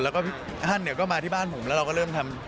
แล้วก็ท่านเนี่ยก็มาที่บ้านผมแล้วเราก็เริ่มทำ